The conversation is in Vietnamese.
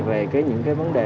về những cái vấn đề